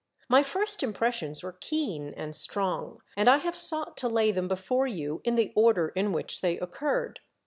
My first impressions were keen and strong, and I have sought to lay them before you in the order in v/hich they occurred.